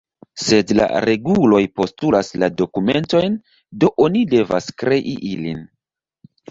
Sed la reguloj postulas la dokumentojn, do oni devas krei ilin.